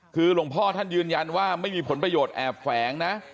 คือหลวงพ่อท่านยืนยันว่าไม่มีผลประโยชน์แอบแฝงนะ